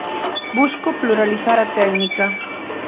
Busco pluralizar a técnica.